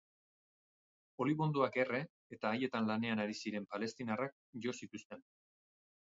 Olibondoak erre eta haietan lanean ari ziren palestinarrak jo zituzten.